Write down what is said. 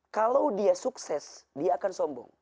kalau dia sukses dia akan sombong